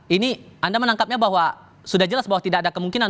ini anda menangkapnya bahwa sudah jelas bahwa tidak ada kemungkinan